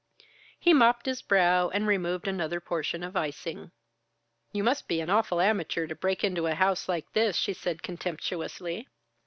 He mopped his brow and removed another portion of icing. "You must be an awful amateur to break into a house like this," she said contemptuously.